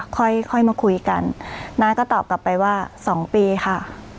ค่อยค่อยมาคุยกันน้าก็ตอบกลับไปว่า๒ปีค่ะ